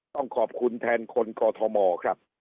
ต้องขอบคุณแทนคนกอทมครับ